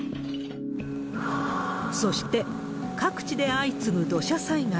そして、各地で相次ぐ土砂災害。